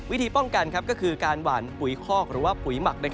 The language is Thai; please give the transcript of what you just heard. วิธีป้องกันก็คือการหวานปุ๋ยคอกหรือว่าปุ๋ยหมัก